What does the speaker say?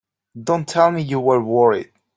Don't tell me you were worried!